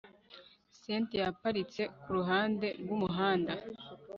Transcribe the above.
cyntia yaparitse kuruhande rwumuhanda